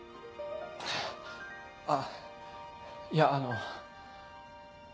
あっいやあの。